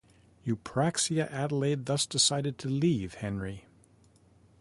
Eupraxia-Adelaide thus decided to leave Henry.